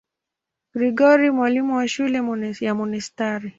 Gregori, mwalimu wa shule ya monasteri.